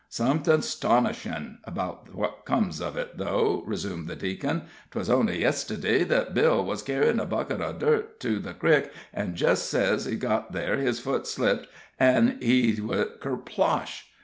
"Somethin' 'stonishin' 'bout what comes of it, though," resumed the deacon. "'Twas only yestiddy thet Bill was kerryin' a bucket of dirt to the crick, an' jest ez he got there his foot slipped in, an' he went kerslosh.